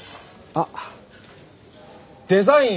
あっデザイン